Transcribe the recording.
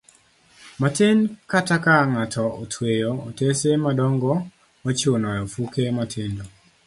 matin kata ka ng'ato otweyo otese madongo mochuno e ofuke matindo